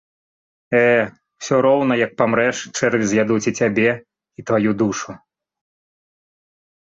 Э, усё роўна, як памрэш, чэрві з'ядуць і цябе, і тваю душу.